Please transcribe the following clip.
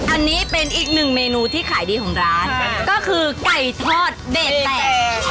อันนี้เป็นอีกหนึ่งเมนูที่ขายดีของร้านก็คือไก่ทอดเดทแตก